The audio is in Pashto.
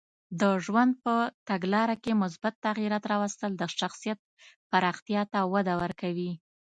د ژوند په تګلاره کې مثبت تغییرات راوستل د شخصیت پراختیا ته وده ورکوي.